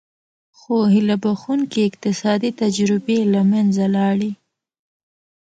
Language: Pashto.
خو هیله بښوونکې اقتصادي تجربې له منځه لاړې.